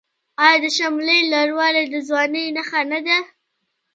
آیا د شملې لوړوالی د ځوانۍ نښه نه ده؟